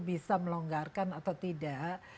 bisa melonggarkan atau tidak